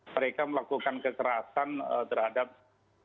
mereka melakukan kekerasan ya di daerah pegunungan bintang